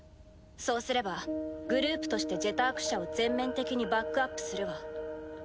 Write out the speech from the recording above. そうすればグループとして「ジェターク社」を全面的にバックアップするわ。